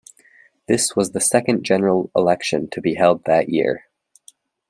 This was the second general election to be held that year.